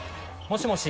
もしもし。